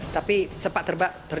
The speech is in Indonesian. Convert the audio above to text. tapi sepak terbak terdiri